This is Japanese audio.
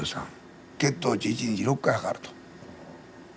血糖値一日６回測ると。